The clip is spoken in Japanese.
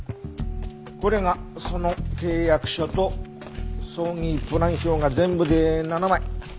これがその契約書と葬儀プラン表が全部で７枚。